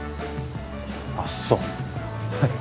あっそう。